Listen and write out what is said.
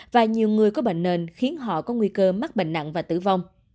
và nhiều người có bệnh nền khiến họ có nguy cơ mắc bệnh nặng và tử vong